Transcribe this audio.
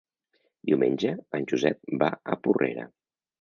Diumenge en Josep va a Porrera.